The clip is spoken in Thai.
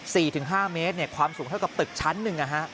สี่ถึงห้าเมตรความสูงเท่ากับตึกชั้นหนึ่ง